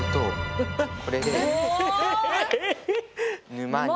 沼に。